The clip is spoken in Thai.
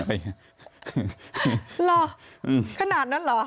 หรอขนาดนั้นหรอ